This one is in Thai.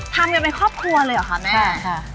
ทำกันเป็นครอบครัวเลยเหรอคะแม่